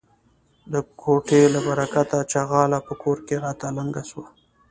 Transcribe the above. د کوټه له برکته ،چغاله په کور کې راته لنگه سوه.